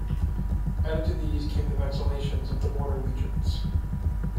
Added to these came the vexillationes of the border legions.